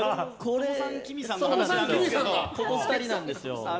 ここ２人なんです。